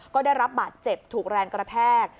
ก็ได้รับบาดเจ็บถูกแรงกระแทก